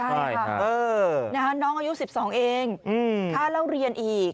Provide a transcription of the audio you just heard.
ใช่ค่ะน้องอายุ๑๒เองค่าเล่าเรียนอีก